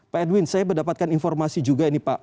pak edwin saya mendapatkan informasi juga ini pak